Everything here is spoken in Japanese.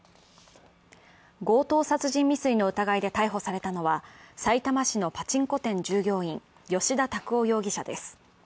強盗殺人未遂の疑いで逮捕されたのは、さいたま市のパチンコ店従業員、葭田拓央容疑者です。